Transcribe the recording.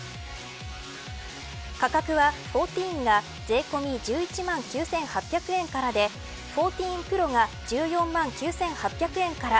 価格は１４が税込み１１万９８００円からで１４Ｐｒｏが１４万９８００円から。